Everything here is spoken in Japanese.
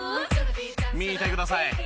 見てください。